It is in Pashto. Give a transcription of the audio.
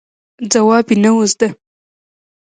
ځواب یې نه و زده.